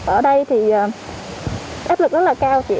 ở đây thì áp lực rất là cao chị